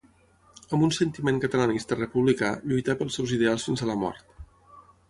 Amb un sentiment catalanista republicà, lluità pels seus ideals fins a la mort.